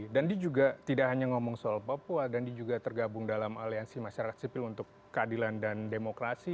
dia juga tidak hanya ngomong soal papua dan dia juga tergabung dalam aliansi masyarakat sipil untuk keadilan dan demokrasi